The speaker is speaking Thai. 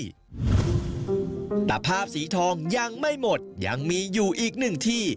ภาพสีทองยังไม่หมดยังมีอยู่อีกหนึ่งที่